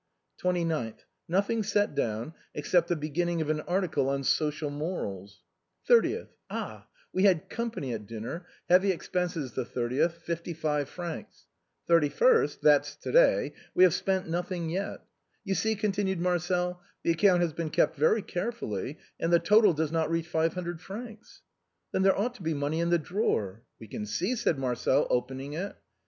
" 29/^. Nothing set down, except the beginning of an article on * Social Morals.' "" 30th. Ah ! we had company at dinner — heavy expenses the 30th, 55 fr. 31st. — that's to day — we have spent noth ing yet. You see," continued Marcel, " the account has THE BILLOWS OF PACTOLUS. 91 been kept very carefully, and the total does not reach five hundred francs." " Then there ought to be money in the drawer." " We can see," said Marcel, opening it.